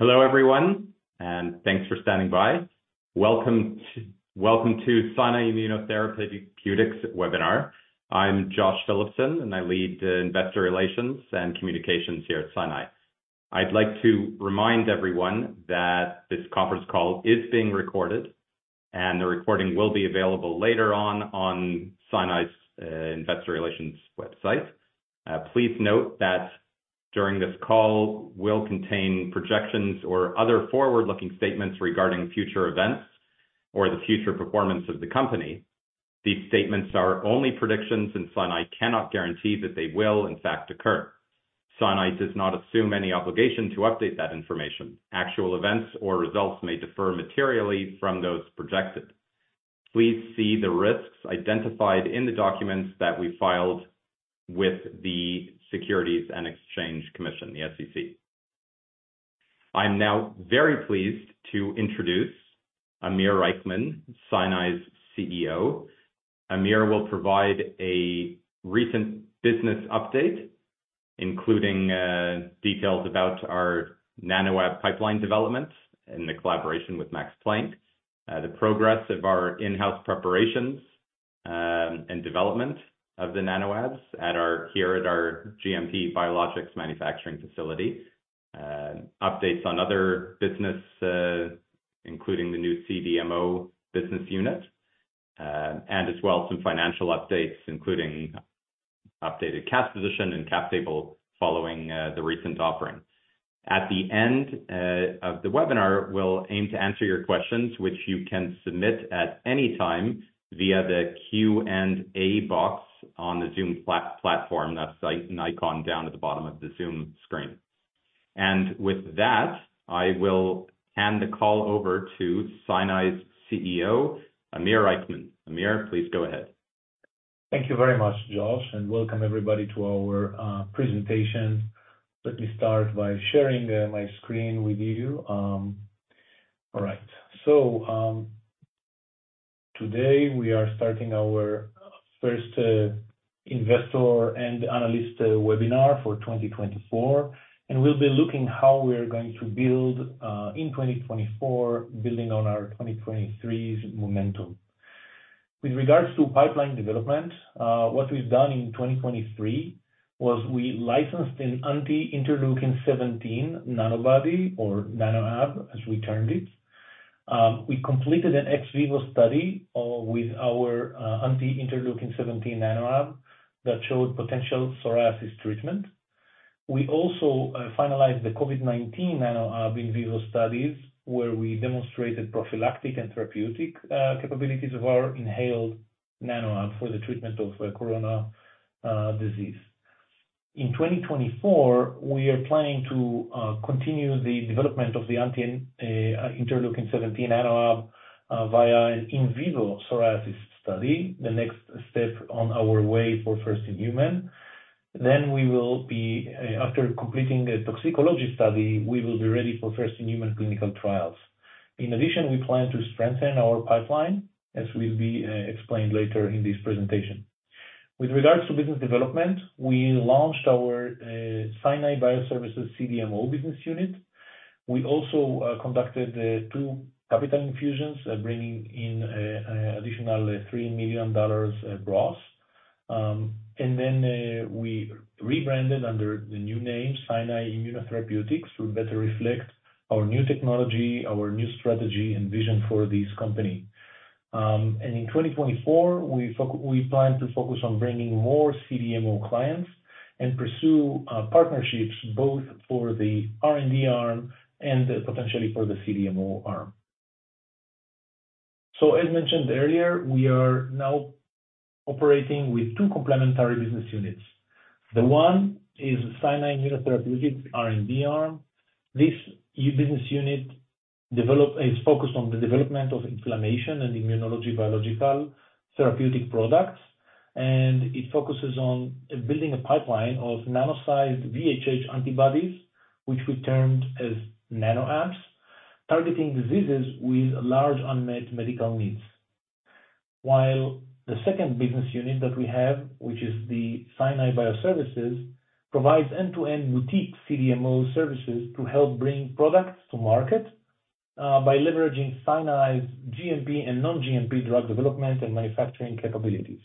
Hello, everyone, and thanks for standing by. Welcome to the Scinai Immunotherapeutics webinar. I'm Josh Phillipson, and I lead Investor Relations and Communications here at Scinai. I'd like to remind everyone that this conference call is being recorded, and the recording will be available later on, on Scinai's Investor Relations website. Please note that during this call will contain projections or other forward-looking statements regarding future events or the future performance of the company. These statements are only predictions, and Scinai cannot guarantee that they will, in fact, occur. Scinai does not assume any obligation to update that information. Actual events or results may differ materially from those projected. Please see the risks identified in the documents that we filed with the Securities and Exchange Commission, the SEC. I'm now very pleased to introduce Amir Reichman, Scinai's CEO. Amir will provide a recent business update, including details about our NanoAb pipeline development and the collaboration with Max Planck. The progress of our in-house preparations, and development of the NanoAbs here at our GMP biologics manufacturing facility. Updates on other business, including the new CDMO business unit, and as well as some financial updates, including updated cash position and cap table following the recent offering. At the end of the webinar, we'll aim to answer your questions, which you can submit at any time via the Q&A box on the Zoom platform. That's the icon down at the bottom of the Zoom screen. And with that, I will hand the call over to Scinai's CEO, Amir Reichman. Amir, please go ahead. Thank you very much, Josh, and welcome everybody to our presentation. Let me start by sharing my screen with you. All right. Today we are starting our first investor and analyst webinar for 2024, and we'll be looking how we are going to build in 2024, building on our 2023's momentum. With regards to pipeline development, what we've done in 2023 was we licensed an anti-interleukin-17 NanoAbs or NanoAb, as we termed it. We completed an ex vivo study with our anti-interleukin-17 NanoAb that showed potential psoriasis treatment. We also finalized the COVID-19 NanoAb in vivo studies, where we demonstrated prophylactic and therapeutic capabilities of our inhaled NanoAb for the treatment of COVID-19. In 2024, we are planning to continue the development of the anti-interleukin-17 NanoAb via an in vivo psoriasis study, the next step on our way for first-in-human. Then, after completing a toxicology study, we will be ready for first-in-human clinical trials. In addition, we plan to strengthen our pipeline, as will be explained later in this presentation. With regards to business development, we launched our Scinai Bioservices CDMO business unit. We also conducted two capital infusions, bringing in additional $3 million gross. And then we rebranded under the new name, Scinai Immunotherapeutics, to better reflect our new technology, our new strategy, and vision for this company. And in 2024, we plan to focus on bringing more CDMO clients and pursue partnerships both for the R&D arm and potentially for the CDMO arm. As mentioned earlier, we are now operating with two complementary business units. The one is Scinai Immunotherapeutics R&D arm. This business unit is focused on the development of inflammation and immunology biological therapeutic products, and it focuses on building a pipeline of nano-sized VHH antibodies, which we termed as NanoAbs, targeting diseases with large unmet medical needs. While the second business unit that we have, which is the Scinai Bioservices, provides end-to-end boutique CDMO services to help bring products to market by leveraging Scinai's GMP and non-GMP drug development and manufacturing capabilities.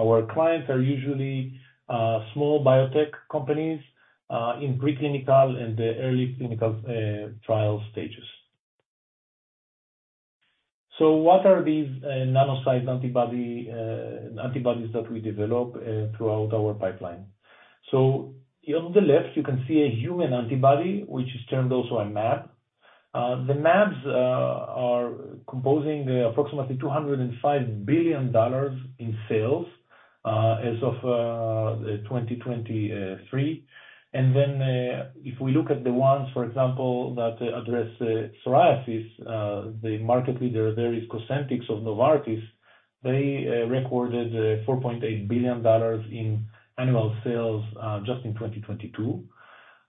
Our clients are usually small biotech companies in preclinical and early clinical trial stages. So what are these nano-sized antibodies that we develop throughout our pipeline? So on the left, you can see a human antibody, which is termed also a mAbs. The mAbs are composing approximately $205 billion in sales as of 2023. And then if we look at the ones, for example, that address psoriasis, the market leader there is Cosentyx of Novartis. They recorded $4.8 billion in annual sales just in 2022.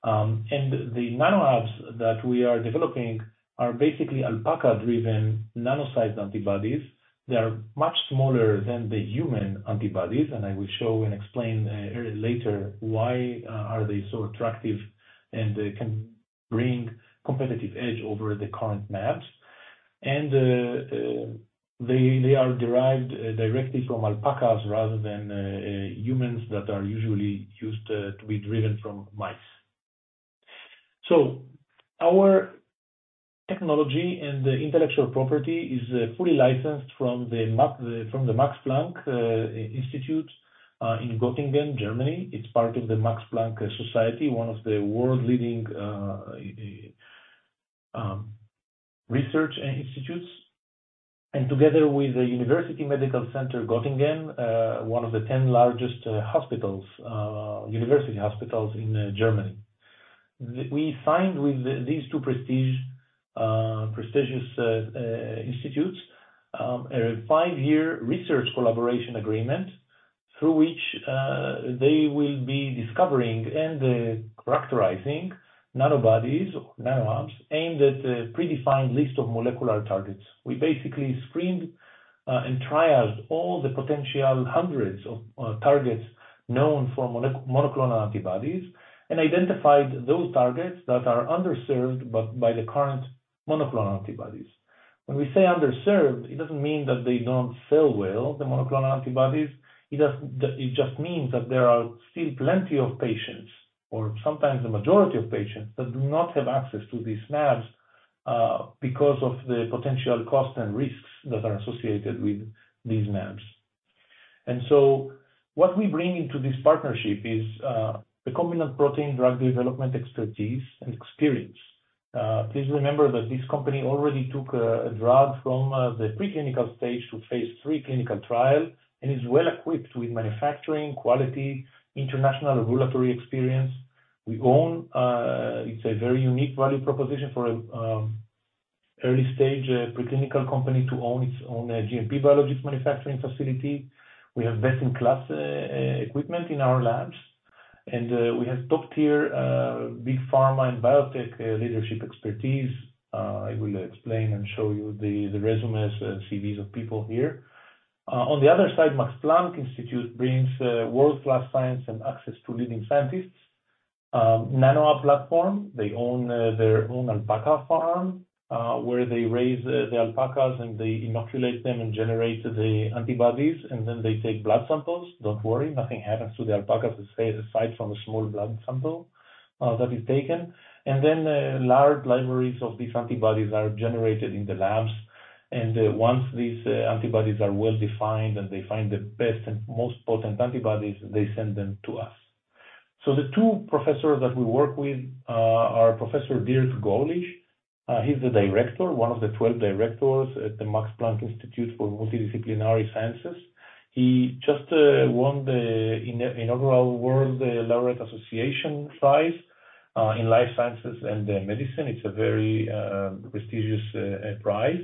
And the NanoAbs that we are developing are basically alpaca-driven, nano-sized antibodies. They are much smaller than the human antibodies, and I will show and explain later why are they so attractive, and they can bring competitive edge over the current mAbs. They are derived directly from alpacas rather than humans that are usually used to be driven from mice. So our technology and the intellectual property is fully licensed from the Max Planck Institute in Göttingen, Germany. It's part of the Max Planck Society, one of the world-leading research institutes, and together with the University Medical Center Göttingen, one of the 10 largest hospitals university hospitals in Germany. We signed with these two prestigious institutes a five-year research collaboration agreement through which they will be discovering and characterizing nanobodies or NanoAbs aimed at a predefined list of molecular targets. We basically screened and triaged all the potential hundreds of targets known for monoclonal antibodies and identified those targets that are underserved by the current monoclonal antibodies. When we say underserved, it doesn't mean that they don't sell well, the monoclonal antibodies; it just means that there are still plenty of patients, or sometimes the majority of patients, that do not have access to these NanoAbs because of the potential cost and risks that are associated with these NanoAbs. And so what we bring into this partnership is the recombinant protein drug development expertise and experience. Please remember that this company already took a drug from the preclinical stage to phase III clinical trial and is well equipped with manufacturing, quality, international regulatory experience. We own, it's a very unique value proposition for early stage preclinical company to own its own GMP biologics manufacturing facility. We have best-in-class equipment in our labs, and we have top-tier big pharma and biotech leadership expertise. I will explain and show you the resumes and CVs of people here. On the other side, Max Planck Institute brings world-class science and access to leading scientists. NanoAb platform. They own their own alpaca farm where they raise the alpacas, and they inoculate them and generate the antibodies, and then they take blood samples. Don't worry, nothing happens to the alpacas aside from a small blood sample that is taken. And then large libraries of these antibodies are generated in the labs, and once these antibodies are well defined and they find the best and most potent antibodies, they send them to us. So the two professors that we work with are Professor Dirk Görlich. He's the director, one of the 12 directors at the Max Planck Institute for Multidisciplinary Sciences. He just won the inaugural World Laureate Association Prize in Life Sciences and in Medicine. It's a very prestigious prize.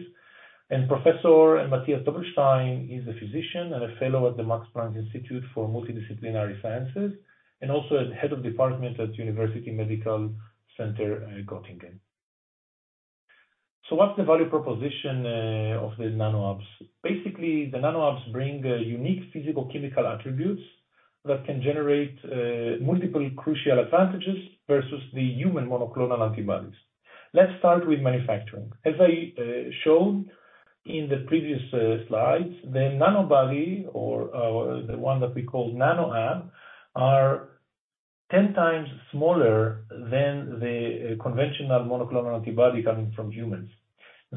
And Professor Matthias Dobbelstein is a physician and a fellow at the Max Planck Institute for Multidisciplinary Sciences, and also the Head of Department at University Medical Center Göttingen. So what's the value proposition of the NanoAbs? Basically, the NanoAbs bring unique physical, chemical attributes that can generate multiple crucial advantages versus the human monoclonal antibodies. Let's start with manufacturing. As I showed in the previous slides, the Nanobody or the one that we call NanoAb are 10 times smaller than the conventional monoclonal antibody coming from humans.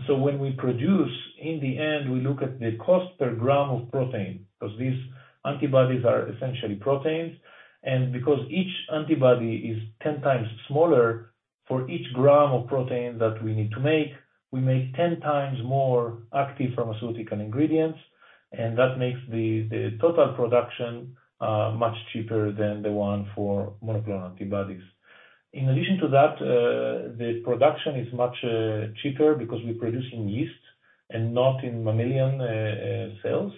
So when we produce, in the end, we look at the cost per gram of protein, because these antibodies are essentially proteins, and because each antibody is 10x smaller, for each gram of protein that we need to make, we make 10 times more active pharmaceutical ingredients, and that makes the total production much cheaper than the one for monoclonal antibodies. In addition to that, the production is much cheaper because we produce in yeast and not in mammalian cells.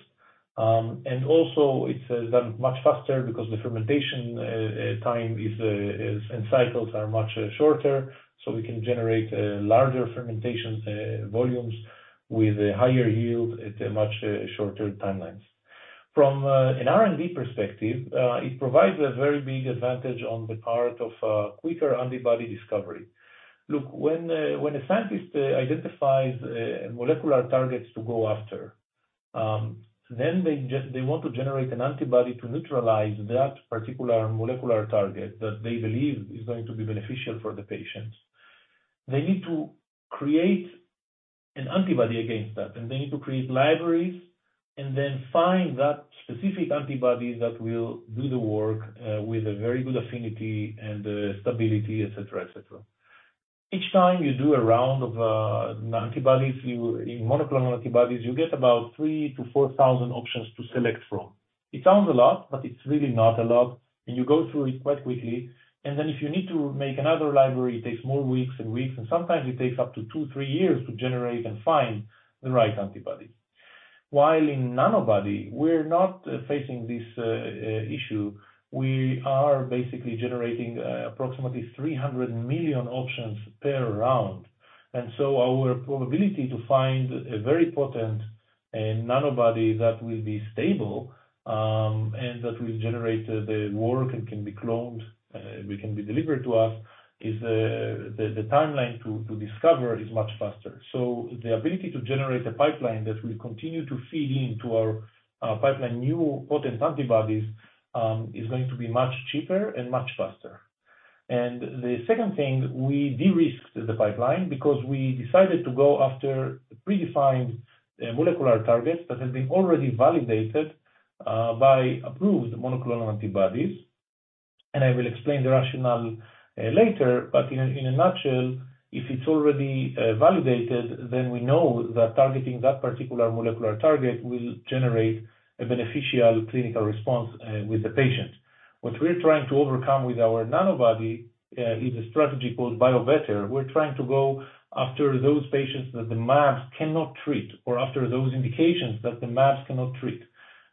And also it's done much faster because the fermentation time and cycles are much shorter, so we can generate larger fermentation volumes with a higher yield at a much shorter timelines. From an R&D perspective, it provides a very big advantage on the part of quicker antibody discovery. Look, when a scientist identifies molecular targets to go after, then they just they want to generate an antibody to neutralize that particular molecular target that they believe is going to be beneficial for the patients. They need to create an antibody against that, and they need to create libraries, and then find that specific antibody that will do the work with a very good affinity and stability, et cetera. Each time you do a round of antibodies, you in monoclonal antibodies, you get about 3,000-4,000 options to select from. It sounds a lot, but it's really not a lot, and you go through it quite quickly. Then if you need to make another library, it takes more weeks and weeks, and sometimes it takes up to two to three years to generate and find the right antibody. While in NanoAbs, we're not facing this issue. We are basically generating approximately 300 million options per round, and so our probability to find a very potent and NanoAbs that will be stable, and that will generate the work and can be cloned, we can be delivered to us, is the timeline to discover is much faster. So the ability to generate a pipeline that will continue to feed into our pipeline new potent antibodies is going to be much cheaper and much faster. And the second thing, we de-risked the pipeline because we decided to go after predefined molecular targets that have been already validated by approved monoclonal antibodies. And I will explain the rationale later, but in a nutshell, if it's already validated, then we know that targeting that particular molecular target will generate a beneficial clinical response with the patient. What we're trying to overcome with our NanoAbs is a strategy called bio-better. We're trying to go after those patients that the mAbs cannot treat, or after those indications that the mAbs cannot treat,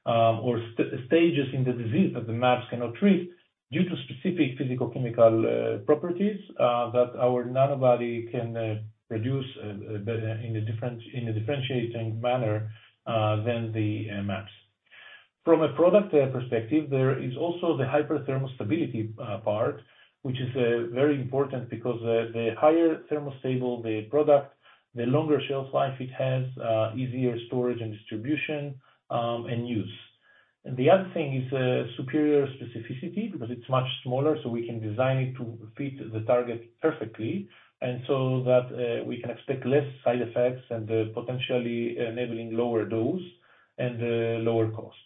or stages in the disease that the mAbs cannot treat due to specific physicochemical properties that our NanoAbs can produce in a different, in a differentiating manner than the mAbs. From a product perspective, there is also the hyperthermal stability part, which is very important because the higher thermostable the product, the longer shelf life it has, easier storage and distribution, and use. And the other thing is superior specificity, because it's much smaller, so we can design it to fit the target perfectly, and so that we can expect less side effects and potentially enabling lower dose and lower cost.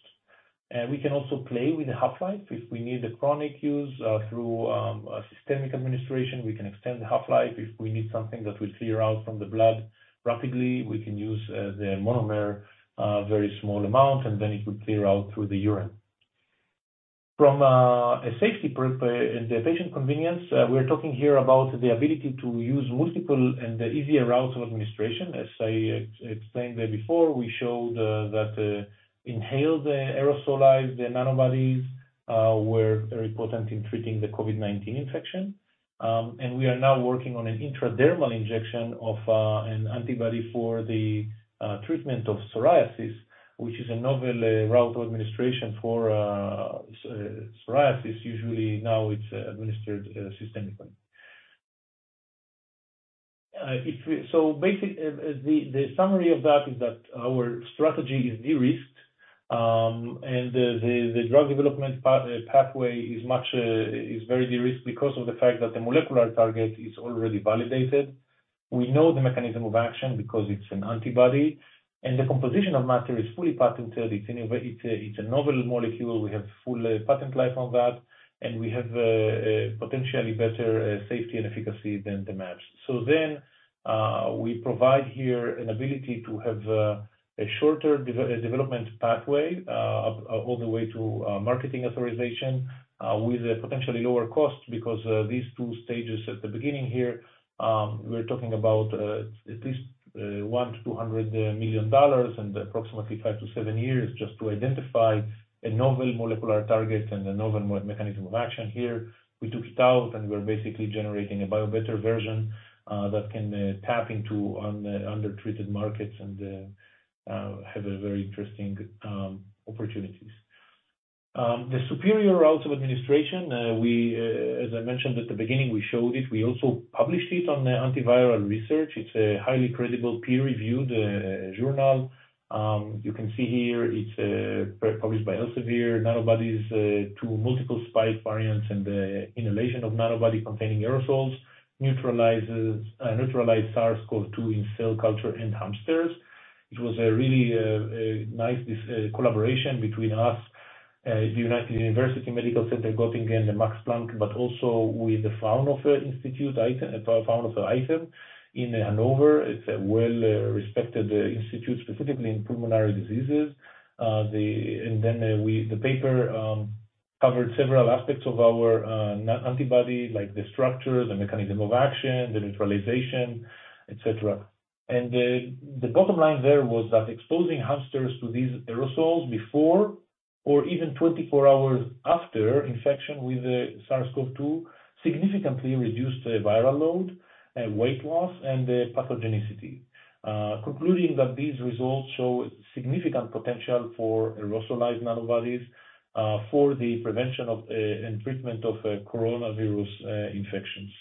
We can also play with the half-life. If we need a chronic use, through a systemic administration, we can extend the half-life. If we need something that will clear out from the blood rapidly, we can use the monomer, a very small amount, and then it will clear out through the urine. From a safety perspective and the patient convenience, we're talking here about the ability to use multiple and easier routes of administration. As I explained there before, we showed that inhaled aerosolized nanobodies were very potent in treating the COVID-19 infection. And we are now working on an intradermal injection of an antibody for the treatment of psoriasis, which is a novel route of administration for psoriasis. Usually, now it's administered systemically. So, basically, the summary of that is that our strategy is de-risked, and the drug development pathway is very de-risked because of the fact that the molecular target is already validated. We know the mechanism of action because it's an antibody, and the composition of matter is fully patented. It's in a way, it's a novel molecule. We have full patent life on that, and we have a potentially better safety and efficacy than the mAbs. We provide here an ability to have a shorter development pathway all the way to marketing authorization with a potentially lower cost, because these two stages at the beginning here, we're talking about at least $100 million-$200 million and approximately five to seven years just to identify a novel molecular target and a novel mechanism of action here. We took it out, and we're basically generating a bio-better version that can tap into undertreated markets and have a very interesting opportunities. The superior routes of administration, as I mentioned at the beginning, we showed it. We also published it on the Antiviral Research. It's a highly credible, peer-reviewed journal. You can see here, it's published by Elsevier, Nanobodies to multiple spike variants and the inhalation of NanoAbs-containing aerosols, neutralize SARS-CoV-2 in cell culture and hamsters. It was a really, a nice collaboration between us, the University Medical Center Göttingen, the Max Planck, but also with the Fraunhofer Institute, Fraunhofer ITEM in Hanover. It's a well-respected institute, specifically in pulmonary diseases. The paper covered several aspects of our NanoAbs, like the structure, the mechanism of action, the neutralization, et cetera. And the bottom line there was that exposing hamsters to these aerosols before or even 24 hours after infection with the SARS-CoV-2 significantly reduced the viral load, weight loss, and the pathogenicity. Concluding that these results show significant potential for aerosolized nanobodies for the prevention of and treatment of coronavirus infections.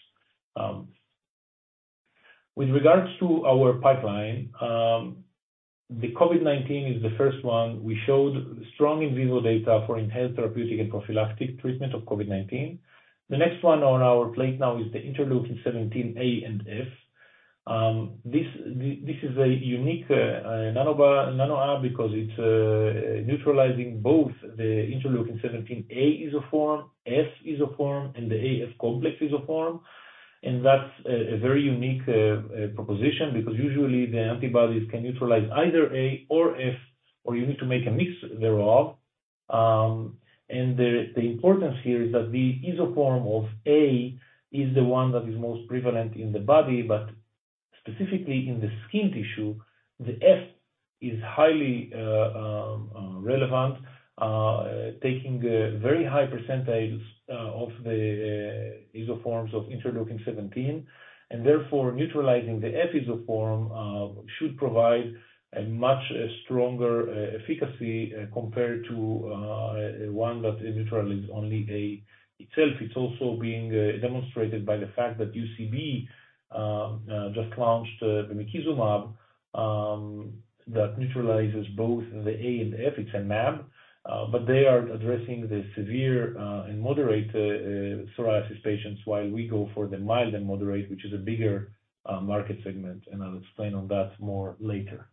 With regards to our pipeline, the COVID-19 is the first one. We showed strong in vivo data for inhaled therapeutic and prophylactic treatment of COVID-19. The next one on our plate now is the interleukin-17 A and F. This is a unique NanoAb because it's neutralizing both the interleukin-17 A isoform, F isoform, and the AF complex isoform. And that's a very unique proposition because usually the antibodies can neutralize either A or F, or you need to make a mix thereof. The importance here is that the isoform of A is the one that is most prevalent in the body, but specifically in the skin tissue, the F is highly relevant, taking a very high percentage of the isoforms of Interleukin-17, and therefore, neutralizing the F isoform should provide a much stronger efficacy compared to one that neutralizes only A itself. It's also being demonstrated by the fact that UCB just launched the bimekizumab that neutralizes both the A and F. It's a mAb, but they are addressing the severe and moderate psoriasis patients, while we go for the mild and moderate, which is a bigger market segment, and I'll explain on that more later.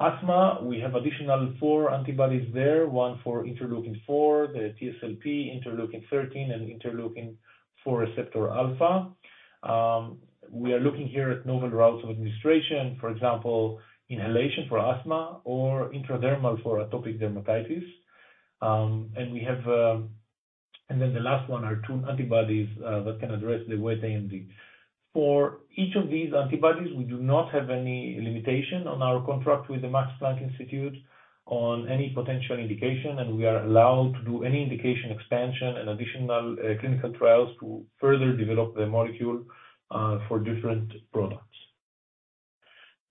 Asthma, we have additional four antibodies there, one for Interleukin-4, the TSLP, Interleukin-13, and interleukin-4 receptor alpha. We are looking here at novel routes of administration, for example, inhalation for asthma or intradermal for atopic dermatitis. And then the last one are two antibodies, that can address the wet AMD. For each of these antibodies, we do not have any limitation on our contract with the Max Planck Institute on any potential indication, and we are allowed to do any indication expansion and additional, clinical trials to further develop the molecule, for different products.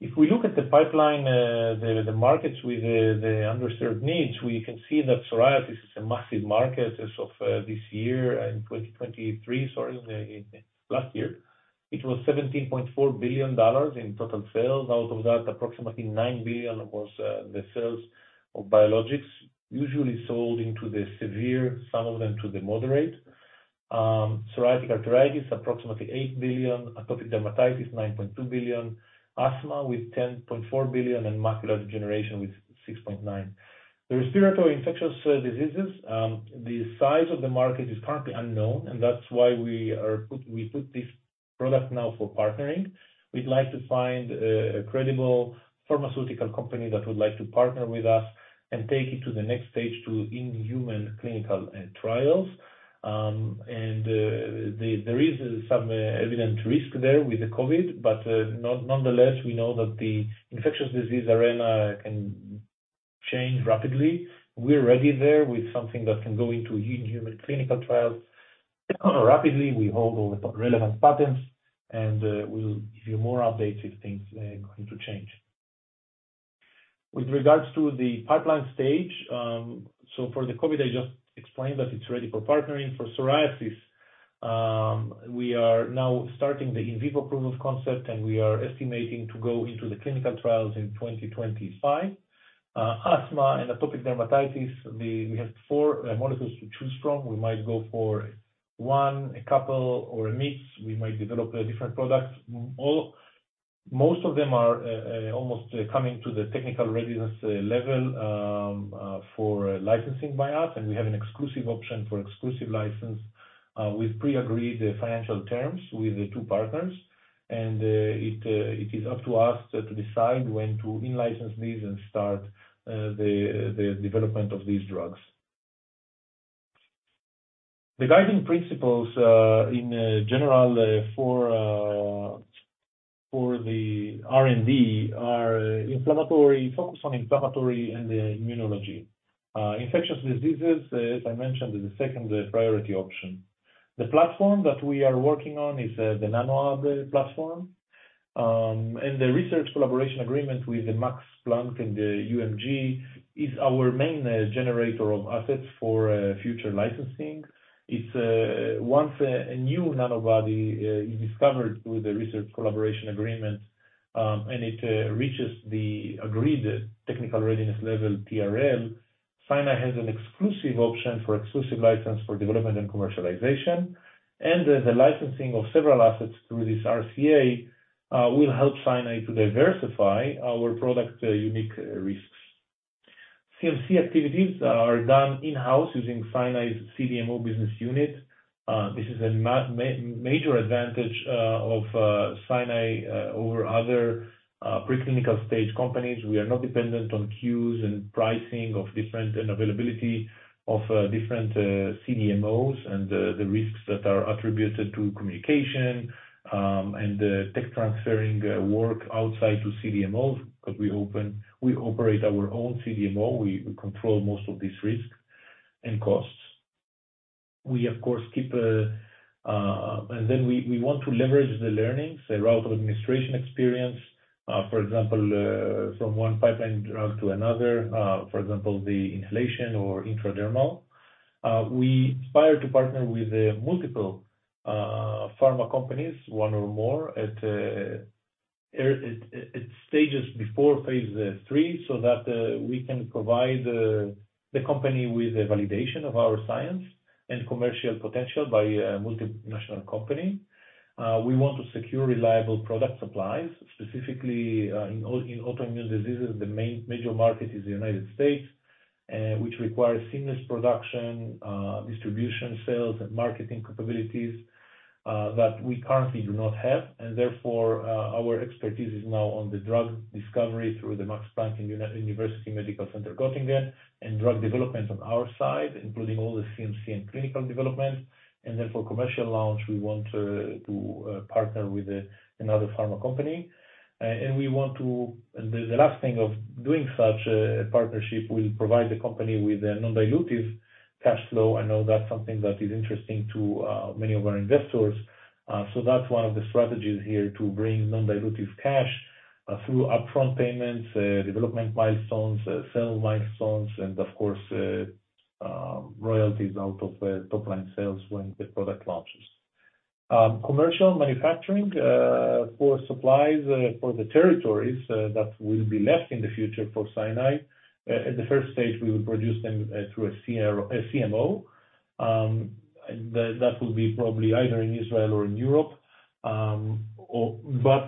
If we look at the pipeline, the, the markets with the, the underserved needs, we can see that psoriasis is a massive market as of, this year, in 2023, sorry, last year. It was $17.4 billion in total sales. Out of that, approximately $9 billion was the sales of biologics, usually sold into the severe, some of them to the moderate. Psoriatic arthritis, approximately $8 billion, atopic dermatitis, $9.2 billion, asthma with $10.4 billion, and macular degeneration with $6.9 billion. The respiratory infectious diseases, the size of the market is currently unknown, and that's why we put this product now for partnering. We'd like to find a credible pharmaceutical company that would like to partner with us and take it to the next stage to in-human clinical trials. And there is some evident risk there with the COVID, but nonetheless, we know that the infectious disease arena can change rapidly. We're ready there with something that can go into in-human clinical trials rapidly. We hold relevant patents, and we'll give you more updates if things going to change. With regards to the pipeline stage, so for the COVID, I just explained that it's ready for partnering. For psoriasis, we are now starting the in vivo proof of concept, and we are estimating to go into the clinical trials in 2025. Asthma and atopic dermatitis, we have four molecules to choose from. We might go for one, a couple, or a mix. We might develop different products. Almost all of them are almost coming to the technical readiness level for licensing by us, and we have an exclusive option for exclusive license with pre-agreed financial terms with the two partners. It is up to us to decide when to in-license these and start the development of these drugs. The guiding principles, in general, for the R&D are inflammatory, focused on inflammatory and the immunology. Infectious diseases, as I mentioned, is the second priority option. The platform that we are working on is the NanoAbs platform. The research collaboration agreement with the Max Planck and the UMG is our main generator of assets for future licensing. It's, once a new NanoAbs is discovered through the research collaboration agreement, and it reaches the agreed technical readiness level, TRL, Scinai has an exclusive option for exclusive license for development and commercialization. The licensing of several assets through this RCA will help Scinai to diversify our product unique risks. CMC activities are done in-house using Scinai's CDMO business unit. This is a major advantage of Scinai over other preclinical stage companies. We are not dependent on queues and pricing of different, and availability of different CDMOs and the risks that are attributed to communication, and tech transferring work outside to CDMOs, because we operate our own CDMO. We control most of these risks and costs. And then we want to leverage the learnings, the route of administration experience, for example, from one pipeline drug to another, for example, the inhalation or intradermal. We aspire to partner with multiple pharma companies, one or more, at stages before phase III, so that we can provide the company with a validation of our science and commercial potential by a multinational company. We want to secure reliable product supplies, specifically in autoimmune diseases, the main major market is the United States, which requires seamless production, distribution, sales, and marketing capabilities that we currently do not have, and therefore our expertise is now on the drug discovery through the Max Planck University Medical Center Göttingen, and drug development on our side, including all the CMC and clinical development. And then for commercial launch, we want to partner with another pharma company. And we want to – and the last thing of doing such a partnership will provide the company with a non-dilutive cash flow. I know that's something that is interesting to many of our investors. So that's one of the strategies here, to bring non-dilutive cash through upfront payments, development milestones, sales milestones, and of course, royalties out of top-line sales when the product launches. Commercial manufacturing for supplies for the territories that will be left in the future for Scinai. At the first stage, we will produce them through a CRO, a CMO. And that will be probably either in Israel or in Europe. Or but,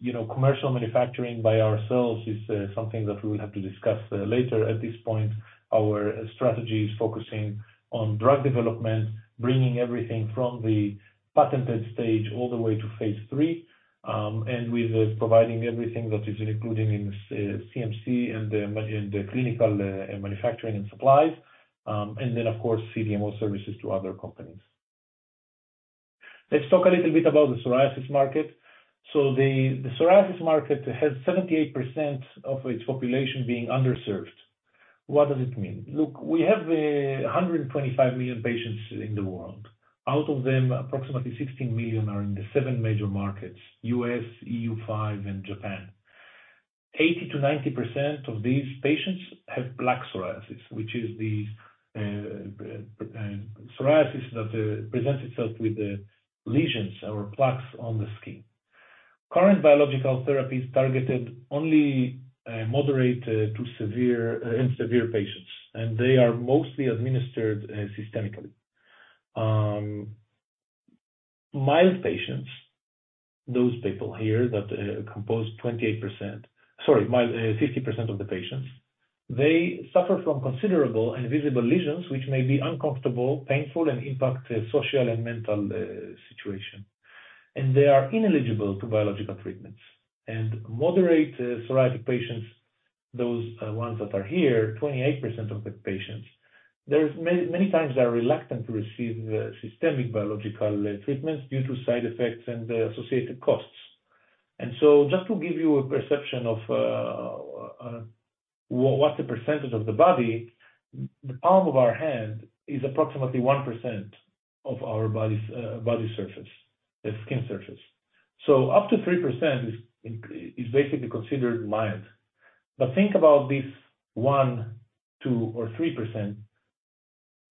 you know, commercial manufacturing by ourselves is something that we will have to discuss later. At this point, our strategy is focusing on drug development, bringing everything from the patented stage all the way to phase III. And with providing everything that is included in CMC and the manufacturing and the clinical manufacturing and supplies, and then, of course, CDMO services to other companies. Let's talk a little bit about the psoriasis market. So the psoriasis market has 78% of its population being underserved. What does it mean? Look, we have 125 million patients in the world. Out of them, approximately 16 million are in the 7 major markets, US, EU5, and Japan. 80%-90% of these patients have plaque psoriasis, which is the psoriasis that presents itself with lesions or plaques on the skin. Current biological therapies targeted only moderate to severe and severe patients, and they are mostly administered systemically. Mild patients, those people here that compose 28%, sorry, mild, 50% of the patients, they suffer from considerable and visible lesions, which may be uncomfortable, painful, and impact their social and mental situation, and they are ineligible to biological treatments. And moderate psoriatic patients, those ones that are here, 28% of the patients, there's many, many times they are reluctant to receive systemic biological treatments due to side effects and the associated costs. And so just to give you a perception of what's the percentage of the body, the palm of our hand is approximately 1% of our body's body surface, the skin surface. So up to 3% is basically considered mild. But think about this 1%, 2%,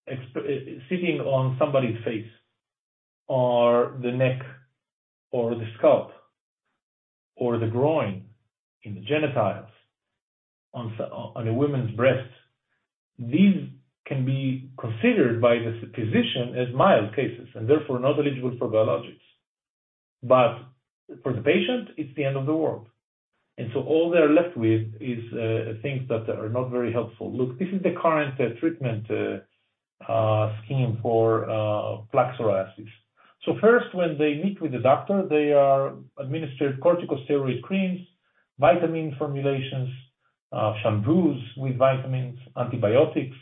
or 3% sitting on somebody's face or the neck or the scalp, or the groin, in the genitals, on a woman's breast. These can be considered by the physician as mild cases, and therefore not eligible for biologics. But for the patient, it's the end of the world. So all they are left with is things that are not very helpful. Look, this is the current treatment scheme for plaque psoriasis. So first, when they meet with the doctor, they are administered corticosteroid creams, vitamin formulations, shampoos with vitamins, antibiotics.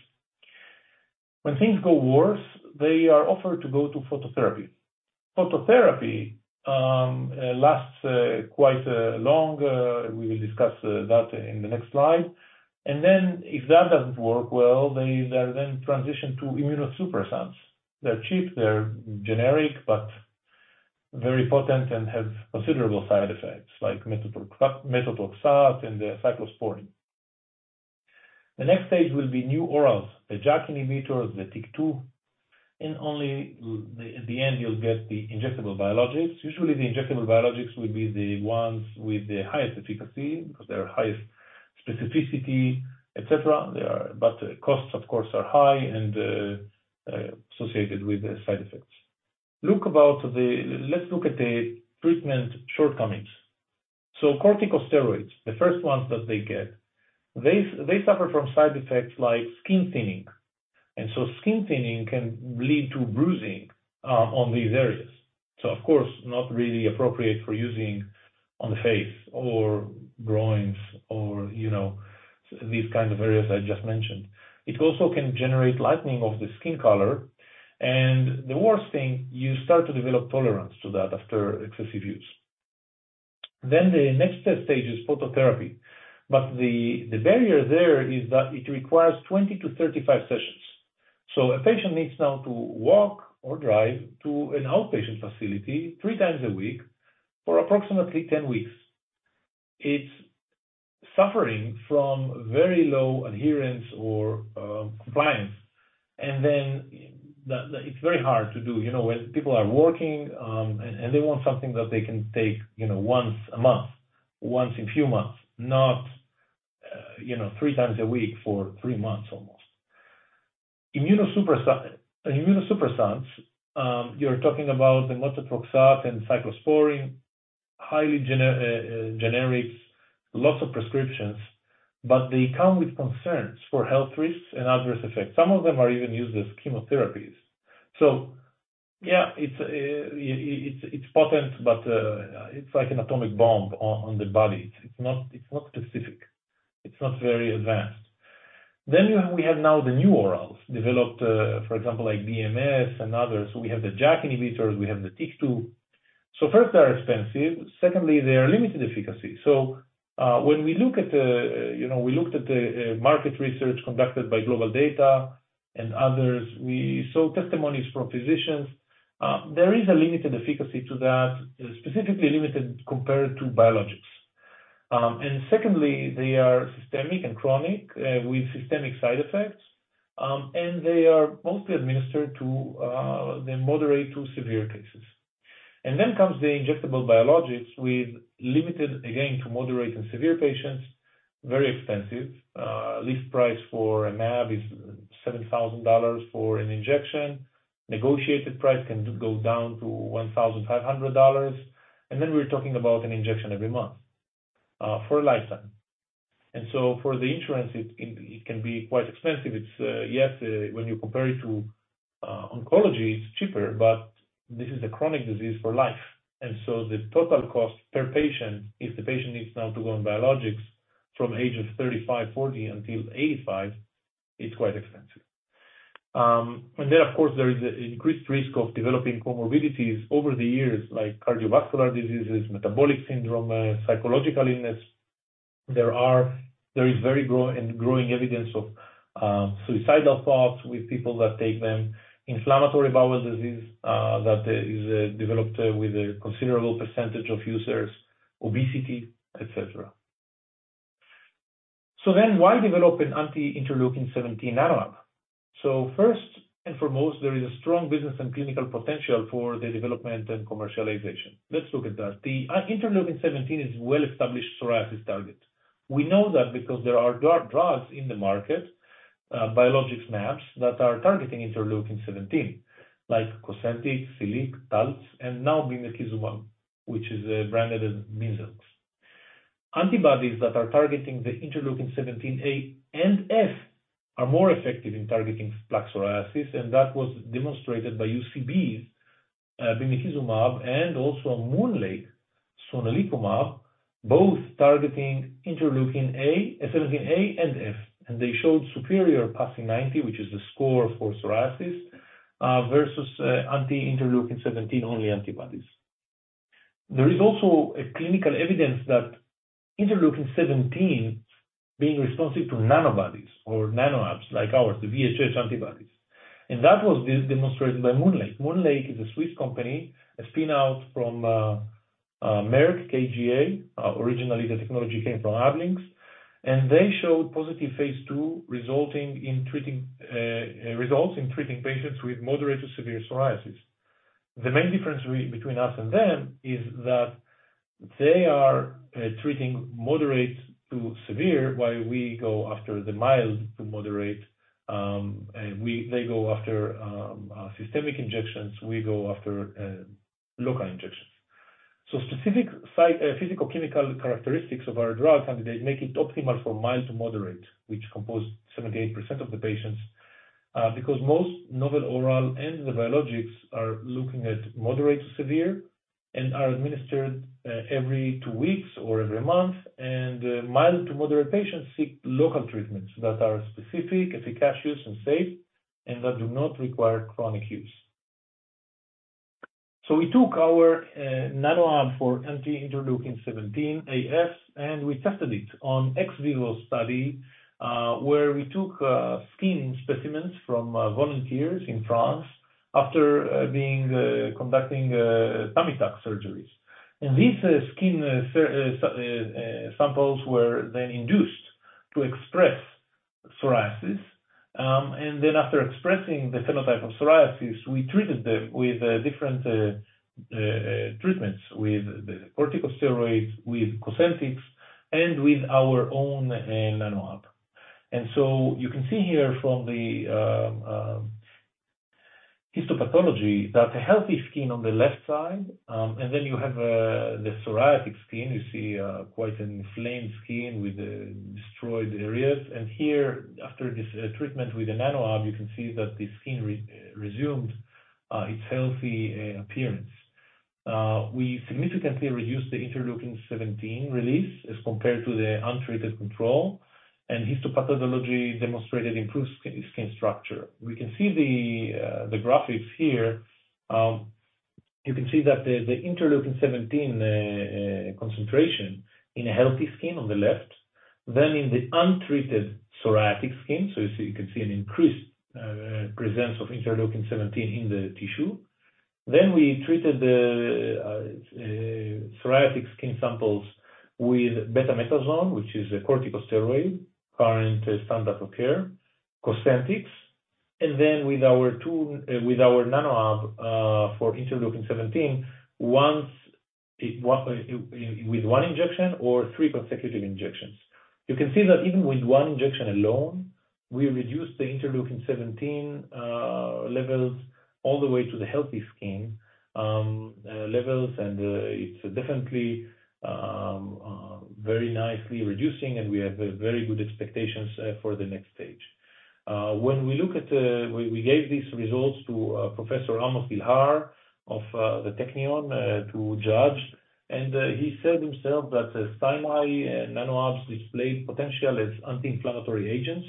When things go worse, they are offered to go to phototherapy. Phototherapy lasts quite long. We will discuss that in the next slide. Then if that doesn't work well, they are then transitioned to immunosuppressants. They're cheap, they're generic, but very potent and have considerable side effects like methotrexate and cyclosporine. The next stage will be new orals, the JAK inhibitors, the TYK2, and only at the end you'll get the injectable biologics. Usually, the injectable biologics will be the ones with the highest efficacy because they're highest specificity, etc. They are. But costs, of course, are high and associated with the side effects. Let's look at the treatment shortcomings. So corticosteroids, the first ones that they get, they, they suffer from side effects like skin thinning, and so skin thinning can lead to bruising on these areas. So of course, not really appropriate for using on the face or groins or, you know, these kind of areas I just mentioned. It also can generate lightening of the skin color, and the worst thing, you start to develop tolerance to that after excessive use. Then the next stage is phototherapy, but the barrier there is that it requires 20-35 sessions. So a patient needs now to walk or drive to an outpatient facility three times a week for approximately 10 weeks. It's suffering from very low adherence or compliance, and it's very hard to do. You know, when people are working, and they want something that they can take, you know, once a month, once in few months, not, you know, three times a week for three months, almost. Immunosuppressant, immunosuppressants, you're talking about the Methotrexate and Cyclosporine highly generic, lots of prescriptions, but they come with concerns for health risks and adverse effects. Some of them are even used as chemotherapies. So yeah, it's potent, but it's like an atomic bomb on the body. It's not specific. It's not very advanced. Then we have now the new orals, developed for example like BMS and others. So we have the JAK inhibitors, we have the TYK2. So first, they are expensive. Secondly, they are limited efficacy. So when we look at the, you know, we looked at the market research conducted by GlobalData and others, we saw testimonies from physicians. There is a limited efficacy to that, specifically limited compared to biologics. And secondly, they are systemic and chronic with systemic side effects, and they are mostly administered to the moderate to severe cases. And then comes the injectable biologics with limited, again, to moderate and severe patients, very expensive. List price for an mAb is $7,000 for an injection. Negotiated price can go down to $1,500, and then we're talking about an injection every month, for a lifetime. And so for the insurance, it, it can be quite expensive. It's, yes, when you compare it to, oncology, it's cheaper, but this is a chronic disease for life, and so the total cost per patient, if the patient needs now to go on biologics from age of 35, 40 until 85, it's quite expensive. And then, of course, there is an increased risk of developing comorbidities over the years, like cardiovascular diseases, metabolic syndrome, psychological illness. There is very strong and growing evidence of suicidal thoughts with people that take them, inflammatory bowel disease that is developed with a considerable percentage of users, obesity, etc. So then, why develop an anti-Interleukin-17 NanoAb? So first and foremost, there is a strong business and clinical potential for the development and commercialization. Let's look at that. The Interleukin-17 is well-established psoriasis target. We know that because there are drugs in the market, biologics mAbs, that are targeting Interleukin-17, like Cosentyx, Siliq, Taltz, and now bimekizumab, which is branded as Bimzelx. Antibodies that are targeting the interleukin-17A and F are more effective in targeting plaque psoriasis, and that was demonstrated by UCB's bimekizumab and also MoonLake sonelokimab, both targeting interleukin-17A and F, and they showed superior PASI 90, which is the score for psoriasis, versus anti-interleukin-17 only antibodies. There is also clinical evidence that interleukin-17 being responsive to nanobodies or NanoAbs like ours, the VHH antibodies. And that was demonstrated by MoonLake. MoonLake is a Swiss company, a spin-out from Merck KGaA. Originally, the technology came from Ablynx, and they showed positive phase II results in treating patients with moderate to severe psoriasis. The main difference between us and them is that they are treating moderate to severe, while we go after the mild to moderate, and they go after systemic injections, we go after local injections. So specific site physicochemical characteristics of our drug candidate make it optimal for mild to moderate, which compose 78% of the patients, because most novel oral and the biologics are looking at moderate to severe and are administered every two weeks or every month, and mild to moderate patients seek local treatments that are specific, efficacious, and safe, and that do not require chronic use. So we took our NanoAb for anti-interleukin-17 A F, and we tested it on ex vivo study, where we took skin specimens from volunteers in France after conducting tummy tuck surgeries. These skin samples were then induced to express psoriasis. Then after expressing the phenotype of psoriasis, we treated them with different treatments, with the corticosteroids, with Cosentyx, and with our own NanoAb. So you can see here from the histopathology, that healthy skin on the left side, and then you have the psoriatic skin. You see quite an inflamed skin with destroyed areas. Here, after this treatment with the NanoAb, you can see that the skin resumes its healthy appearance. We significantly reduced the interleukin-17 release as compared to the untreated control, and histopathology demonstrated improved skin structure. We can see the graphics here. You can see that the interleukin-17 concentration in healthy skin on the left, then in the untreated psoriatic skin, so you see an increased presence of interleukin-17 in the tissue. Then we treated the psoriatic skin samples with betamethasone, which is a corticosteroid, current standard of care, Cosentyx, and then with our NanoAb for interleukin-17 with one injection or three consecutive injections. You can see that even with one injection alone, we reduced the interleukin-17 levels. All the way to the healthy skin levels, and it's definitely very nicely reducing, and we have a very good expectations for the next stage. When we look at we gave these results to Professor Amos Gilhar of the Technion to judge, and he said himself that Scinai NanoAbs displayed potential as anti-inflammatory agents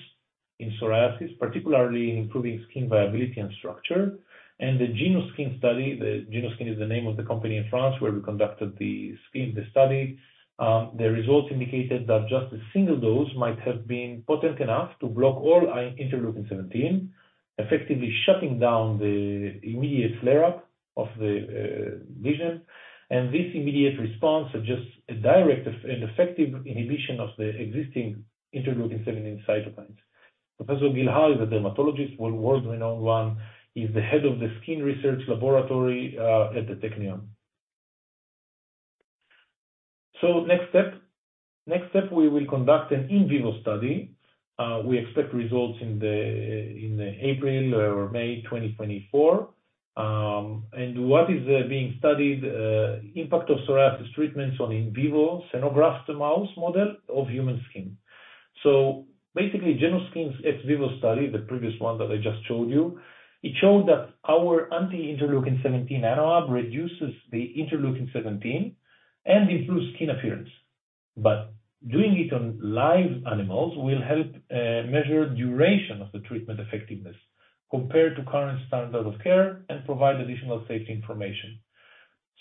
in psoriasis, particularly in improving skin viability and structure. And the Genoskin study, the Genoskin is the name of the company in France, where we conducted the skin the study. The results indicated that just a single dose might have been potent enough to block all interleukin-17, effectively shutting down the immediate flare-up of the lesion. And this immediate response suggests a direct and effective inhibition of the existing interleukin-17 cytokines. Professor Gilhar is a dermatologist, world-renowned one. He's the head of the skin research laboratory at the Technion. So next step. Next step, we will conduct an in vivo study. We expect results in April or May 2024. And what is being studied, impact of psoriasis treatments on in vivo xenograft mouse model of human skin. So basically, Genoskin's ex vivo study, the previous one that I just showed you, it showed that our anti-interleukin-17 NanoAb reduces the interleukin-17 and improves skin appearance. But doing it on live animals will help measure duration of the treatment effectiveness compared to current standard of care and provide additional safety information.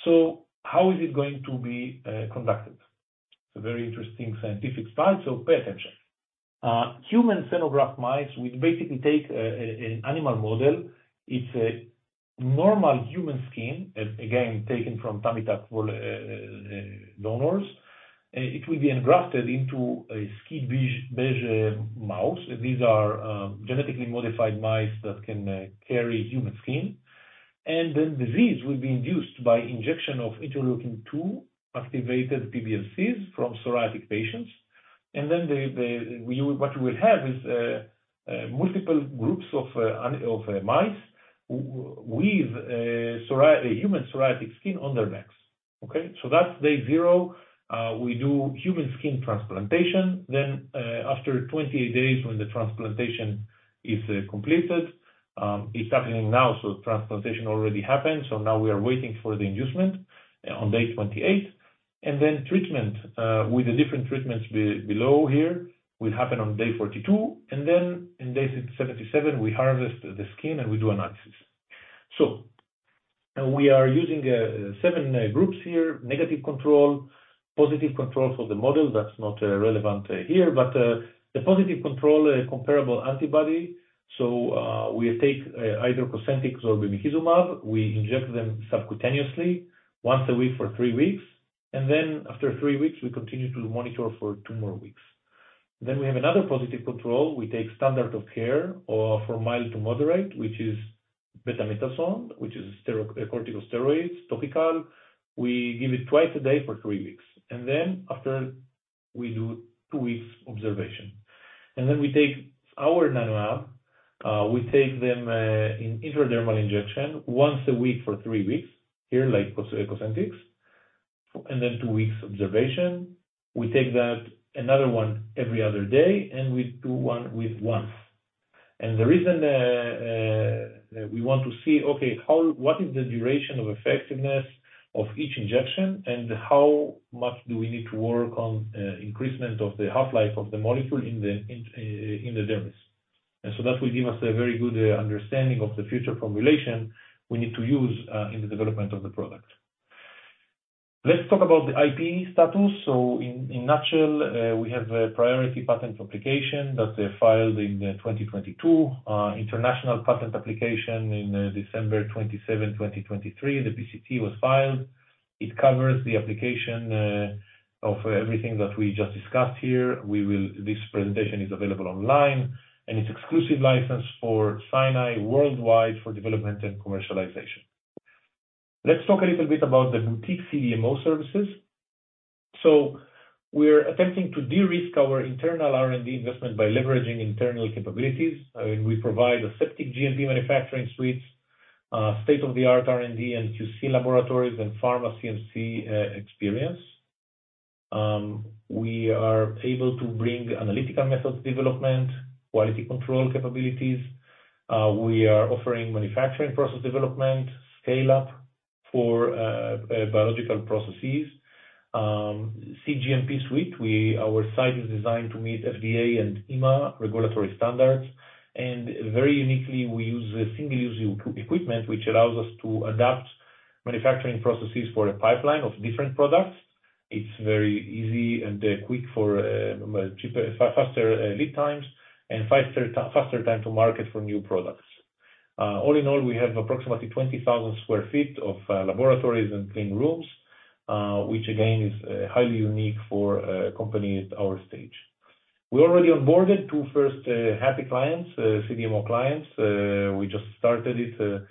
So how is it going to be conducted? It's a very interesting scientific slide, so pay attention. Human xenograft mice, we basically take an animal model. It's a normal human skin, again, taken from tummy tuck donors. It will be engrafted into a SCID-beige mouse. These are genetically modified mice that can carry human skin. And then disease will be induced by injection of Interleukin-2 activated PBMCs from psoriatic patients. And then what we will have is multiple groups of mice with human psoriatic skin on their backs. Okay? So that's day zero. We do human skin transplantation. Then, after 28 days, when the transplantation is completed, it's happening now, so transplantation already happened. So now we are waiting for the inducement on day 28. And then treatment with the different treatments below here will happen on day 42, and then on day 77, we harvest the skin, and we do analysis. So we are using seven groups here, negative control, positive control for the model that's not relevant here, but the positive control, a comparable antibody. So we take either Cosentyx or bimekizumab. We inject them subcutaneously once a week for three weeks, and then after three weeks, we continue to monitor for two more weeks. Then we have another positive control. We take standard of care for mild to moderate, which is betamethasone, which is corticosteroids, topical. We give it twice a day for three weeks, and then after, we do two weeks observation. And then we take our NanoAb, we take them in intradermal injection once a week for three weeks, here, like Cosentyx, and then two weeks observation. We take that, another one every other day, and we do one with once. The reason we want to see, okay, how—what is the duration of effectiveness of each injection, and how much do we need to work on increasing the half-life of the molecule in the dermis? So that will give us a very good understanding of the future formulation we need to use in the development of the product. Let's talk about the IP status. So in a nutshell, we have a priority patent application that filed in 2022. International patent application in December 27, 2023, the PCT was filed. It covers the application of everything that we just discussed here. This presentation is available online, and it's exclusive license for Scinai worldwide for development and commercialization. Let's talk a little bit about the boutique CDMO services. So we're attempting to de-risk our internal R&D investment by leveraging internal capabilities. We provide aseptic GMP manufacturing suites, state-of-the-art R&D and QC laboratories and pharma CMC experience. We are able to bring analytical methods development, quality control capabilities. We are offering manufacturing process development, scale-up for biological processes. cGMP suite, our site is designed to meet FDA and EMA regulatory standards, and very uniquely, we use a single-use equipment, which allows us to adapt manufacturing processes for a pipeline of different products. It's very easy and quick for cheaper, faster lead times and faster time to market for new products. All in all, we have approximately 20,000 sq ft of laboratories and clean rooms, which again, is highly unique for a company at our stage. We already onboarded two first happy clients, CDMO clients. We just started it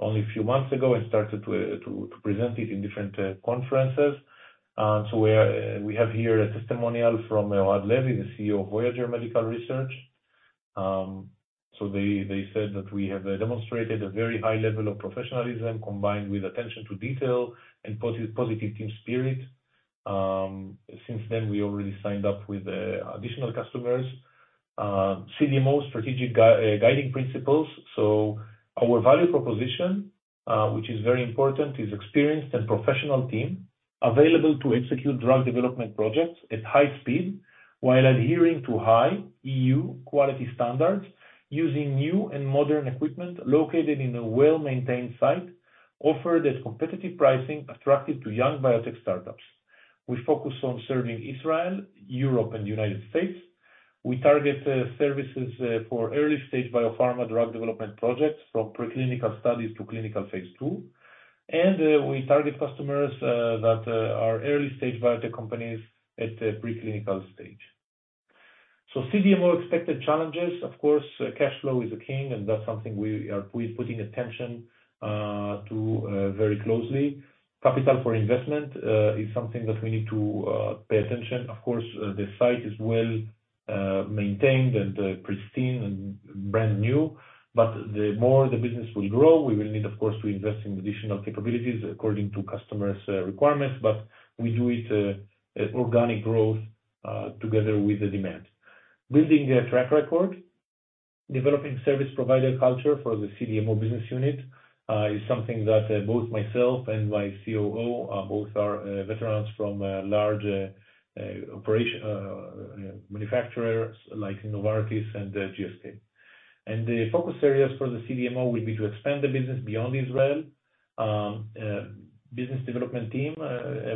only a few months ago and started to present it in different conferences. So we are, we have here a testimonial from Ohad Levy, the CEO of Voyager Medical Research. So they said that we have demonstrated a very high level of professionalism, combined with attention to detail and positive team spirit. Since then, we already signed up with additional customers. CDMO strategic guiding principles. So our value proposition, which is very important, is experienced and professional team available to execute drug development projects at high speed, while adhering to high EU quality standards, using new and modern equipment located in a well-maintained site, offered at competitive pricing, attractive to young biotech startups. We focus on serving Israel, Europe, and United States. We target services for early-stage biopharma drug development projects, from preclinical studies to clinical phase II. We target customers that are early-stage biotech companies at the preclinical stage. So CDMO expected challenges, of course, cash flow is a critical, and that's something we are putting attention to very closely. Capital for investment is something that we need to pay attention. Of course, the site is well maintained and pristine and brand new, but the more the business will grow, we will need, of course, to invest in additional capabilities according to customers requirements, but we do it organic growth together with the demand. Building a track record, developing service provider culture for the CDMO business unit, is something that both myself and my COO both are veterans from large operational manufacturers like Novartis and GSK. The focus areas for the CDMO will be to expand the business beyond Israel, business development team,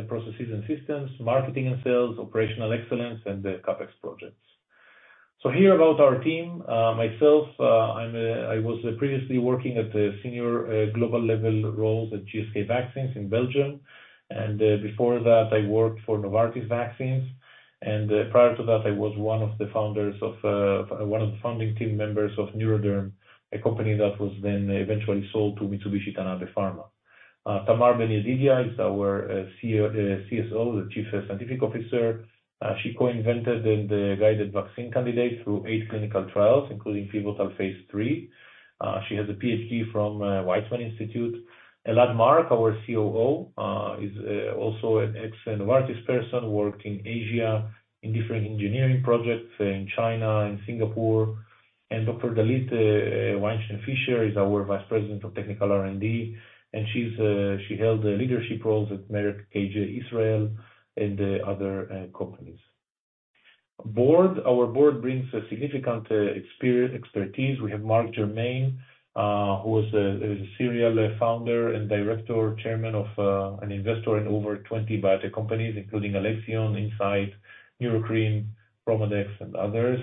processes and systems, marketing and sales, operational excellence, and the CapEx projects. Here about our team, myself, I'm -- I was previously working at the senior global level roles at GSK Vaccines in Belgium, and before that, I worked for Novartis Vaccines, and prior to that, I was one of the founders of one of the founding team members of NeuroDerm, a company that was then eventually sold to Mitsubishi Tanabe Pharma. Tamar Ben-Yedidia is our CSO, the Chief Scientific Officer. She co-invented the guided vaccine candidate through eight clinical trials, including pivotal phase III. She has a PhD from Weizmann Institute. Elad Mark, our COO, is also an ex-Novartis person, worked in Asia in different engineering projects, in China, in Singapore. And Dr. Galit Weinstein-Fisher is our Vice President of Technical R&D, and she held leadership roles at Merck KGaA Israel and other companies. Board. Our board brings a significant experience, expertise. We have Mark Germain, who is a serial founder and director, chairman of an investor in over 20 biotech companies, including Alexion, Incyte, Neurocrine, ChromaDex, and others.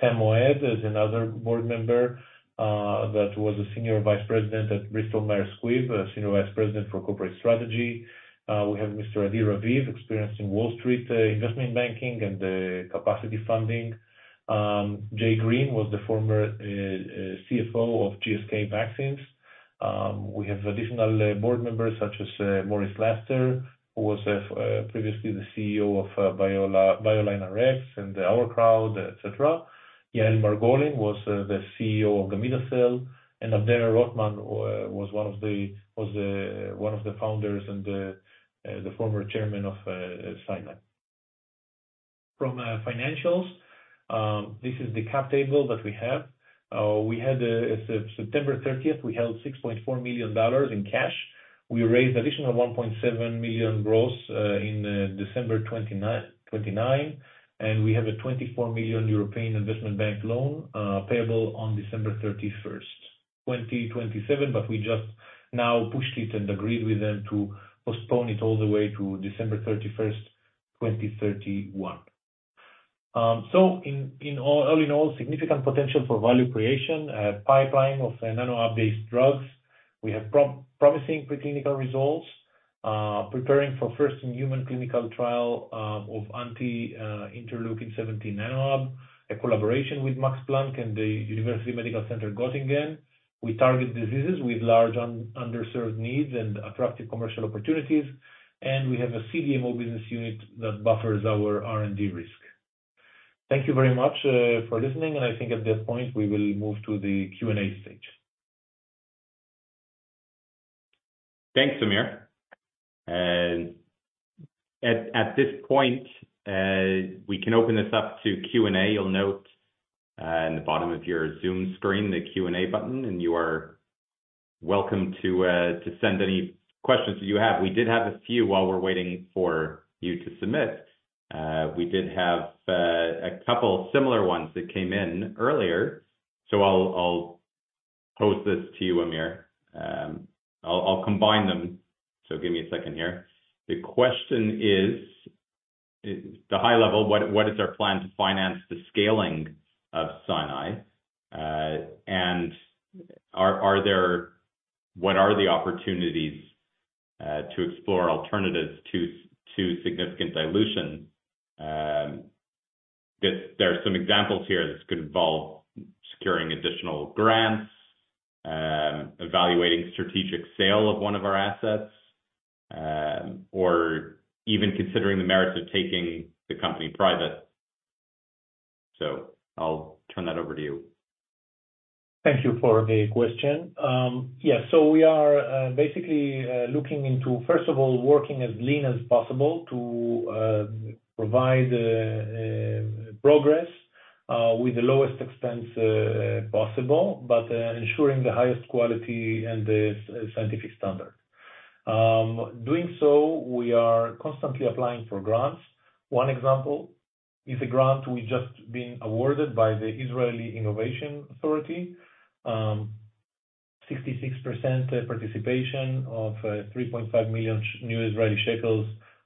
Sam Moed is another board member, that was a Senior Vice President at Bristol-Myers Squibb, a Senior Vice President for Corporate Strategy. We have Mr. Adi Raviv, experienced in Wall Street, investment banking and capital funding. Jay Green was the former CFO of GSK Vaccines. We have additional board members such as Morris Laster, who was previously the CEO of BioLineRx and OurCrowd, et cetera. Yael Margolin was the CEO of Gamida Cell, and Avner Rotman was one of the founders and the former chairman of SciMed. From financials, this is the cap table that we have. We had, as of September thirtieth, we held $6.4 million in cash. We raised additional $1.7 million gross in December 2019, and we have a $24 million European Investment Bank loan, payable on December 31, 2027. But we just now pushed it and agreed with them to postpone it all the way to December 31, 2031. So all in all, significant potential for value creation, pipeline of NanoAb-based drugs. We have promising preclinical results, preparing for first-in-human clinical trial of anti interleukin-17 NanoAb, a collaboration with Max Planck and the University Medical Center Göttingen. We target diseases with large underserved needs and attractive commercial opportunities, and we have a CDMO business unit that buffers our R&D risk. Thank you very much for listening, and I think at this point, we will move to the Q&A stage. Thanks, Amir, and at this point, we can open this up to Q&A. You'll note in the bottom of your Zoom screen the Q&A button, and you are welcome to send any questions you have. We did have a few while we're waiting for you to submit. We did have a couple similar ones that came in earlier, so I'll pose this to you, Amir. I'll combine them, so give me a second here. The question is, the high level, what is our plan to finance the scaling of Scinai? And are there—what are the opportunities to explore alternatives to significant dilution? There are some examples here. This could involve securing additional grants, evaluating strategic sale of one of our assets, or even considering the merits of taking the company private. So I'll turn that over to you. Thank you for the question. Yeah, so we are basically looking into, first of all, working as lean as possible to provide progress with the lowest expense possible, but ensuring the highest quality and the scientific standard. Doing so, we are constantly applying for grants. One example is a grant we've just been awarded by the Israeli Innovation Authority. 66% participation of 3.5 million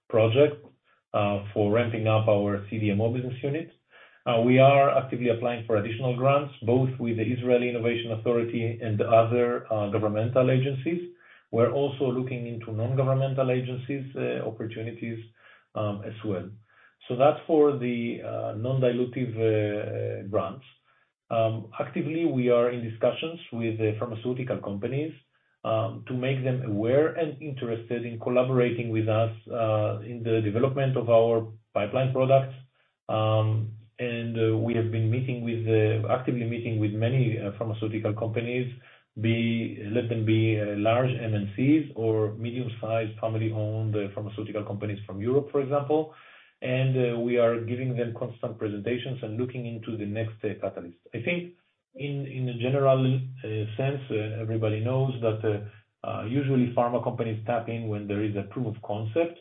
project for ramping up our CDMO business unit. We are actively applying for additional grants, both with the Israeli Innovation Authority and other governmental agencies. We're also looking into non-governmental agencies opportunities as well. So that's for the non-dilutive grants. Actively, we are in discussions with the pharmaceutical companies to make them aware and interested in collaborating with us in the development of our pipeline products. And we have been actively meeting with many pharmaceutical companies, large MNCs or medium-sized, family-owned pharmaceutical companies from Europe, for example, and we are giving them constant presentations and looking into the next catalyst. I think in a general sense, everybody knows that usually pharma companies tap in when there is a proof of concept.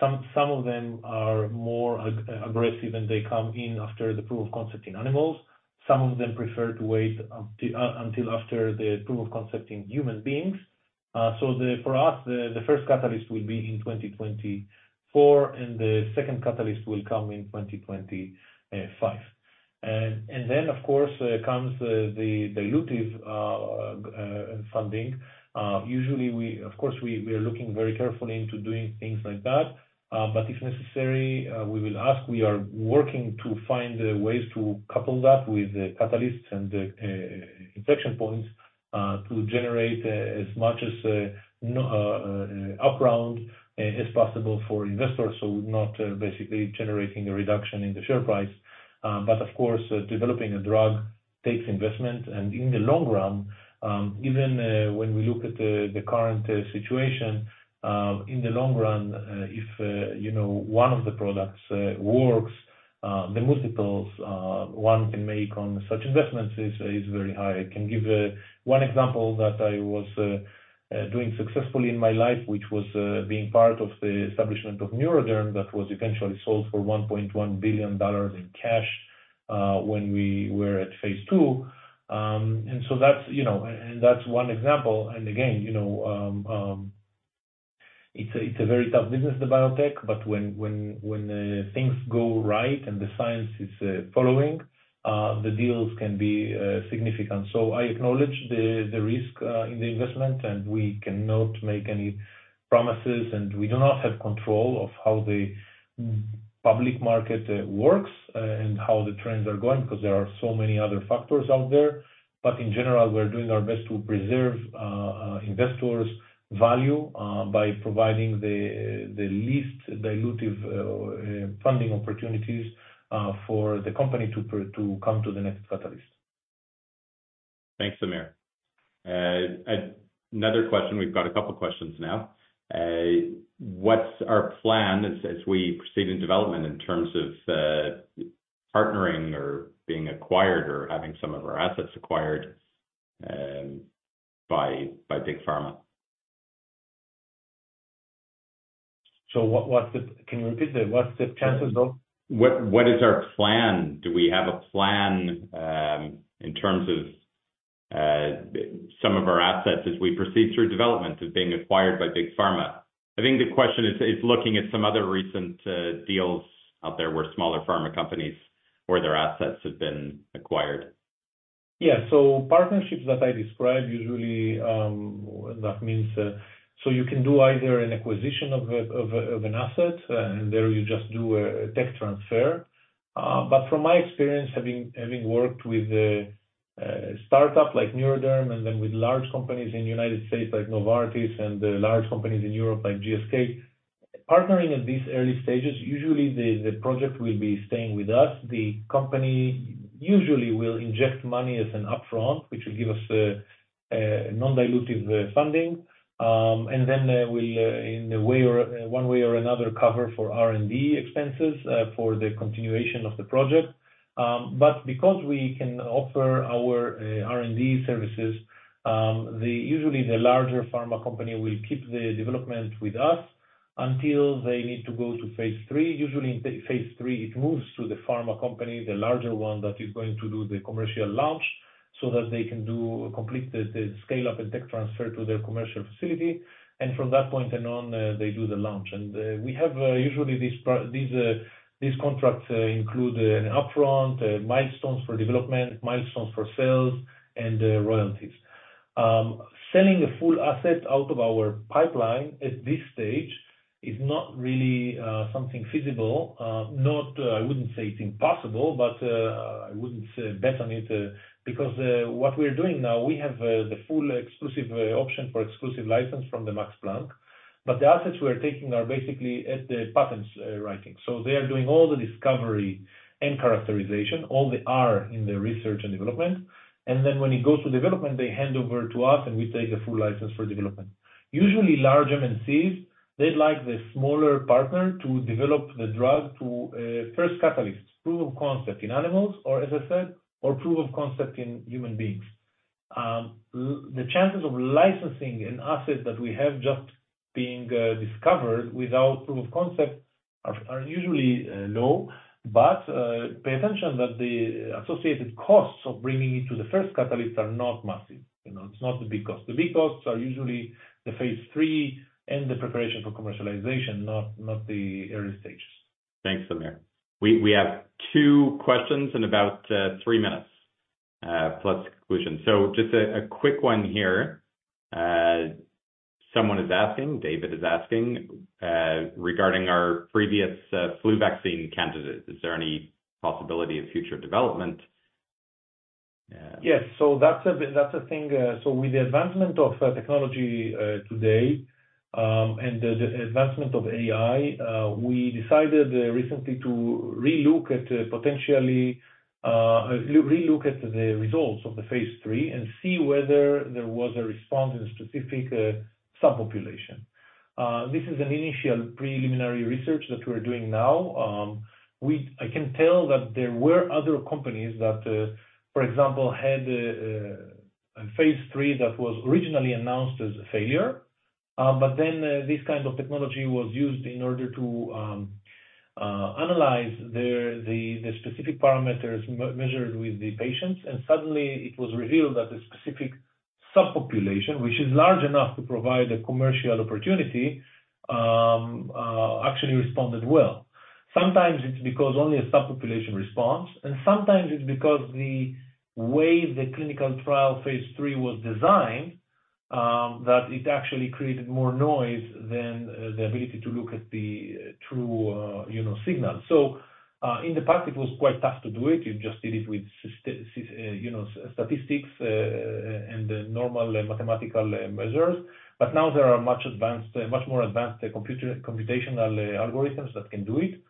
Some of them are more aggressive, and they come in after the proof of concept in animals. Some of them prefer to wait until after the proof of concept in human beings. So the, for us, the first catalyst will be in 2024, and the second catalyst will come in 2025. And then, of course, comes the dilutive funding. Usually we, of course, we are looking very carefully into doing things like that, but if necessary, we will ask. We are working to find ways to couple that with the catalysts and the inflection points to generate as much of an up round as possible for investors, so not basically generating a reduction in the share price. But of course, developing a drug takes investment. In the long run, even when we look at the current situation, in the long run, if you know, one of the products works, the multiples one can make on such investments is very high. I can give one example that I was doing successfully in my life, which was being part of the establishment of NeuroDerm, that was eventually sold for $1.1 billion in cash when we were at phase II. And so that's, you know, and that's one example. And again, you know, it's a very tough business, the biotech, but when things go right and the science is following, the deals can be significant. So I acknowledge the risk in the investment, and we cannot make any promises, and we do not have control of how the public market works, and how the trends are going, because there are so many other factors out there. But in general, we're doing our best to preserve investors' value by providing the least dilutive funding opportunities for the company to come to the next catalyst. Thanks, Amir. Another question, we've got a couple questions now. What's our plan as, as we proceed in development in terms of, partnering or being acquired or having some of our assets acquired, by, by Big Pharma? Can you repeat it? What's the chances, though? What is our plan? Do we have a plan, in terms of, some of our assets as we proceed through development as being acquired by Big Pharma? I think the question is, is looking at some other recent, deals out there, where smaller pharma companies, where their assets have been acquired. Yeah. So partnerships that I described, usually, that means, so you can do either an acquisition of an asset, and there you just do a tech transfer. But from my experience, having worked with a startup like NeuroDerm and then with large companies in the United States, like Novartis, and large companies in Europe, like GSK, partnering at these early stages, usually the project will be staying with us. The company usually will inject money as an upfront, which will give us a non-dilutive funding, and then will, in a way or one way or another, cover for R&D expenses, for the continuation of the project. But because we can offer our R&D services, usually the larger pharma company will keep the development with us until they need to go to phase III. Usually in phase III, it moves to the pharma company, the larger one, that is going to do the commercial launch, so that they can complete the scale-up and tech transfer to their commercial facility, and from that point on, they do the launch. We have usually these contracts include an upfront, milestones for development, milestones for sales, and royalties. Selling a full asset out of our pipeline at this stage is not really something feasible. Not, I wouldn't say it's impossible, but I wouldn't bet on it because what we're doing now, we have the full exclusive option for exclusive license from the Max Planck. But the assets we are taking are basically at the patents writing. So they are doing all the discovery and characterization, all the R in the research and development. And then when it goes to development, they hand over to us, and we take a full license for development. Usually, large MNCs, they like the smaller partner to develop the drug to first catalysts, proof of concept in animals, or as I said, or proof of concept in human beings. The chances of licensing an asset that we have just being discovered without proof of concept are usually low. But, pay attention that the associated costs of bringing it to the first catalysts are not massive. You know, it's not the big costs. The big costs are usually the phase III and the preparation for commercialization, not the early stages. Thanks, Amir. We have two questions in about 3 minutes, plus conclusion. So just a quick one here. Someone is asking, David is asking, regarding our previous flu vaccine candidate, is there any possibility of future development? Yes. So that's a thing. So with the advancement of technology today and the advancement of AI, we decided recently to relook at potentially relook at the results of the phase III and see whether there was a response in specific subpopulation. This is an initial preliminary research that we're doing now. I can tell that there were other companies that for example had a phase III that was originally announced as a failure. But then this kind of technology was used in order to analyze the specific parameters measured with the patients, and suddenly it was revealed that a specific subpopulation, which is large enough to provide a commercial opportunity, actually responded well. Sometimes it's because only a subpopulation responds, and sometimes it's because the way the clinical trial phase III was designed, that it actually created more noise than the ability to look at the true, you know, signal. So, in the past, it was quite tough to do it. You just did it with statistics, you know, and the normal mathematical measures. But now there are much more advanced computational algorithms that can do it.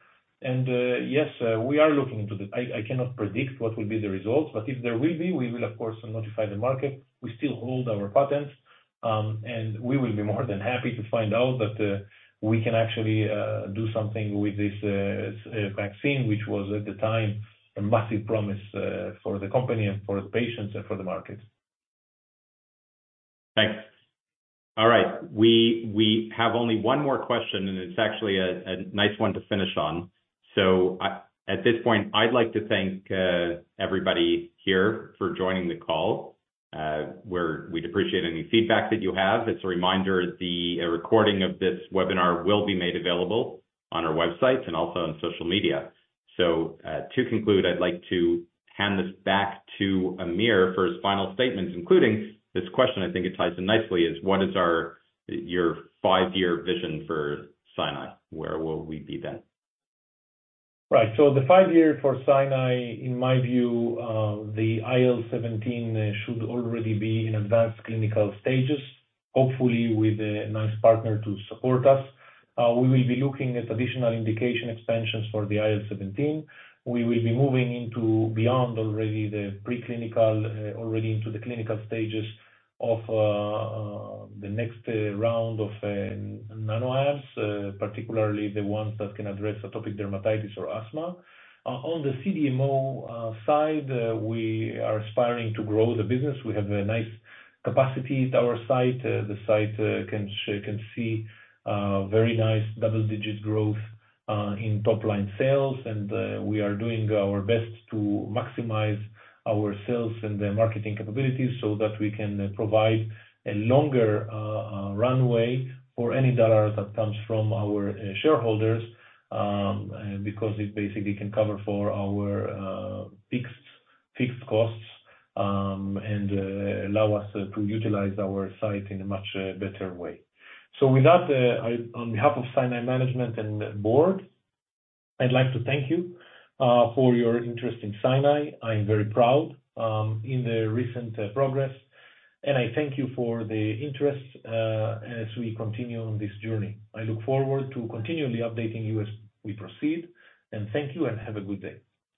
And, yes, we are looking into the... I cannot predict what will be the results, but if there will be, we will of course notify the market. We still hold our patents, and we will be more than happy to find out that we can actually do something with this vaccine, which was at the time a massive promise for the company and for the patients and for the market. Thanks. All right. We have only one more question, and it's actually a nice one to finish on. So at this point, I'd like to thank everybody here for joining the call. We'd appreciate any feedback that you have. As a reminder, the recording of this webinar will be made available on our websites and also on social media. So to conclude, I'd like to hand this back to Amir for his final statements, including this question. I think it ties in nicely. What is your five-year vision for Scinai? Where will we be then? Right. So the five-year for Scinai, in my view, the IL-17 should already be in advanced clinical stages, hopefully with a nice partner to support us. We will be looking at additional indication expansions for the IL-17. We will be moving into beyond already the preclinical, already into the clinical stages of the next round of NanoAbs, particularly the ones that can address atopic dermatitis or asthma. On the CDMO side, we are aspiring to grow the business. We have a nice capacity at our site. The site can see very nice double-digit growth in top-line sales, and we are doing our best to maximize our sales and the marketing capabilities so that we can provide a longer runway for any dollar that comes from our shareholders, because it basically can cover for our fixed costs, and allow us to utilize our site in a much better way. So with that, I on behalf of Scinai management and board, I'd like to thank you for your interest in Scinai. I'm very proud in the recent progress, and I thank you for the interest as we continue on this journey. I look forward to continually updating you as we proceed, and thank you and have a good day.